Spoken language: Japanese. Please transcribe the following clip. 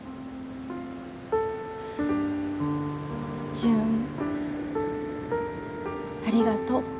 ジュンありがと。